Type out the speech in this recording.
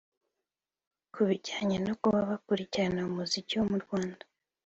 Ku bijyanye no kuba bakurikirana umuziki wo mu Rwanda